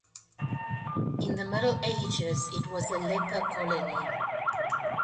In the Middle Ages it was a leper colony.